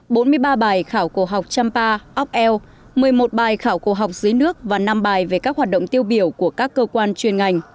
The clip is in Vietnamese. bốn mươi ba bài khảo cổ học chăm pa óc eo một mươi một bài khảo cổ học dưới nước và năm bài về các hoạt động tiêu biểu của các cơ quan chuyên ngành